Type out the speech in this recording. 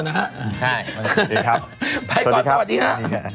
ใช่ครับปลายก่อนสวัสดีค่ะ